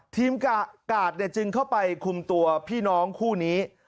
กาดจึงเข้าไปคุมตัวพี่น้องคู่นี้